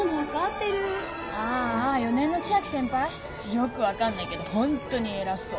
よく分かんないけどホントに偉そう。